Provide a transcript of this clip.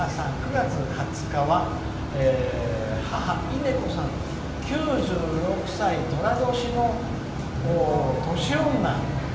「９月２０日は母、いねこさん９６歳、とら年の年女」。